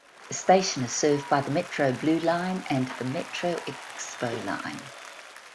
The station is served by the Metro Blue Line and the Metro Expo Line.